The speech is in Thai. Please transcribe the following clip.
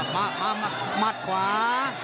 มาถลาดมาขวา